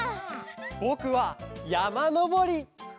ぼくはやまのぼり！